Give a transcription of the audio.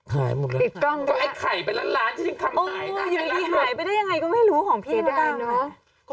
หายหมดแล้วติดกล้องด้วยไข่เป็นร้านจริงทำใหม่อยู่ดีหายไปได้ยังไงก็ไม่รู้ของเพียสได้ต้อง